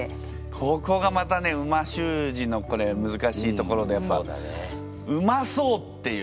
ここがまたね美味しゅう字のむずかしいところでやっぱうまそうっていう。